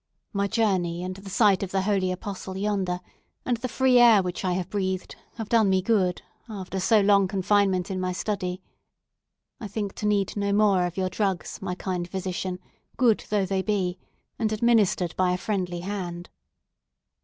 "My journey, and the sight of the holy Apostle yonder, and the free air which I have breathed have done me good, after so long confinement in my study. I think to need no more of your drugs, my kind physician, good though they be, and administered by a friendly hand."